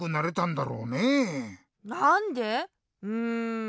うん。